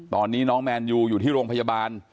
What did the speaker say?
ตอนนี้น้องแมนยูอยู่ที่โรงพยาบาล